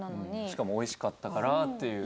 しかもおいしかったからっていう。